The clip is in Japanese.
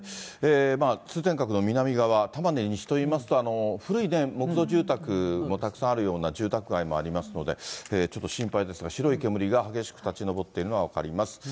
通天閣の南側、たまでにしといいますと、古い木造住宅もたくさんあるような住宅街もありますので、ちょっと心配ですが、白い煙が激しく立ち上っているのが分かります。